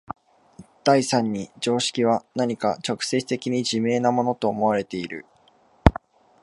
第三に常識は何か直接的に自明なものと思われている。